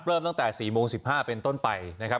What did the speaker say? เริ่มตั้งแต่๔โมง๑๕เป็นต้นไปนะครับ